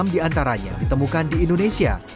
enam diantaranya ditemukan di indonesia